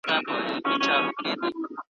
چي د بل پر وزرونو یې تکیه وي `